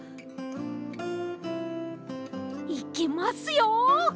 いきますよ！